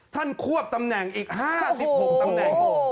ควบตำแหน่งอีก๕๖ตำแหน่ง